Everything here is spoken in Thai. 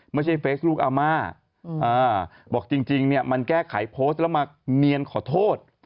ไม่ใช่เฟสลูกอาม่าบอกจริงมันแก้ไขโพสต์แล้วมาเนียนขอโทษ